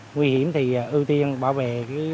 nguy hiểm thì ưu tiên bảo vệ